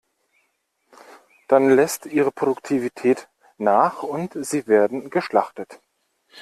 Dann lässt ihre Produktivität nach und sie werden geschlachtet.